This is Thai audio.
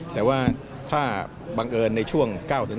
แต่ว่าถ้าบังเอิญในช่วง๙๑